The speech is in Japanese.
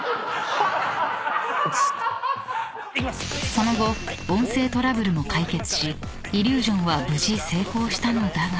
［その後音声トラブルも解決しイリュージョンは無事成功したのだが］